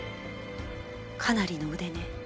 かなりの腕ね。